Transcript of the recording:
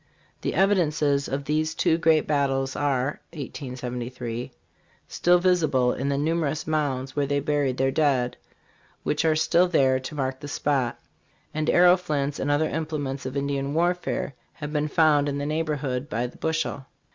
The evidences of these two great battles are. (1873) still visible in the numerous mounds where they buried their dead, which are still there to mark the spot; and arrow flints and other implements of Indian warfare have been found in the neighborhood by the bushel.